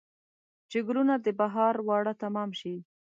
چې ګلونه د بهار واړه تمام شي